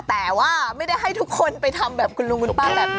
แต่ว่าไม่ได้ให้ทุกคนไปทำแบบคุณลุงคุณป้าแบบนี้